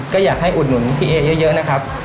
ก็อยากให้อุดหนุนพี่เอเยอะนะครับ